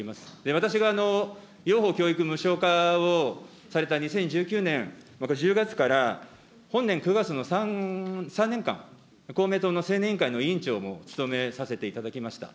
私が幼保教育無償化をされた２０１９年１０月から本年９月の３年間、公明党の青年委員会の委員長も務めさせていただきました。